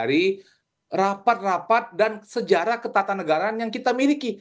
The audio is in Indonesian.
kita harus mencari rapat rapat dan sejarah ketatanegaraan yang kita miliki